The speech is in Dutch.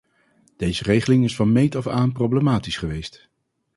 Deze regeling is van meet af aan problematisch geweest.